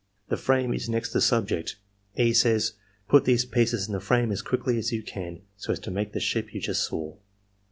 The frame is next the sub ject. E. says: "Put these pieces in the frame as quiddy as you can so as to make the ship you just saw."